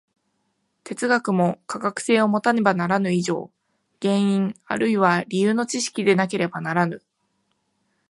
哲学も科学性をもたねばならぬ以上、原因あるいは理由の知識でなければならぬ。